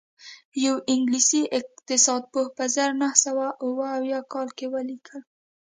یوه انګلیسي اقتصاد پوه په زر نه سوه اووه اویا کال کې ولیکل